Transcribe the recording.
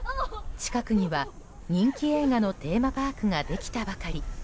近くには、人気映画のテーマパークができたばかり。